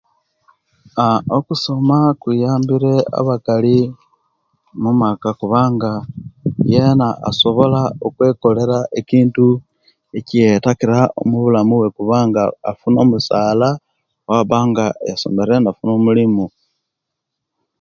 Aaa okusoma kuyambire abakali omumaka kubanga yena asobola okwekolera ekintu ekiyetakira omubulamu bwe kubanga afuna omusala aabanga yasomere nafuna omulimu